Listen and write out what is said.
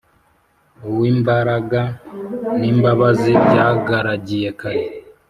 Uw’ imbaraga n’ imbabazi byagaragiye kare,